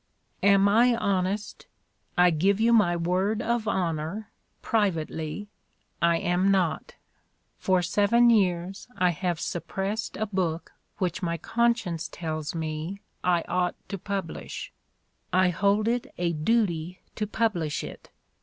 — ^"Am I honest? I give you my word of honor (privately) I am not. For seven years I have sup pressed a book which my conscience tells me I ought to publish. I hold it a duty to publish it.